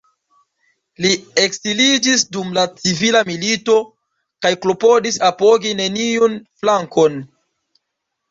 Li ekziliĝis dum la civila milito, kaj klopodis apogi neniun flankon.